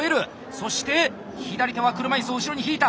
そして左手は車いすを後ろに引いた。